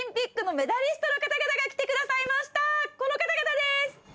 この方々です！